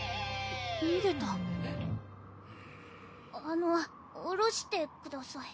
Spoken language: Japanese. あの下ろしてください。